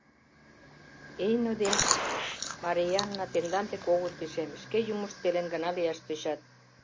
Эйно ден Марйаана тендан дек огыт лишем, шке Юмышт пелен гына лияш тӧчат.